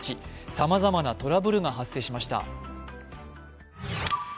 さまざまなトラブルが発生しました。